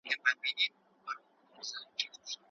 د نجونو زده کړه د ګډو پرېکړو منل زياتوي.